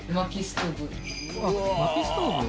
薪ストーブ？